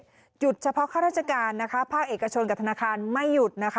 หยุดเฉพาะข้าราชการนะคะภาคเอกชนกับธนาคารไม่หยุดนะคะ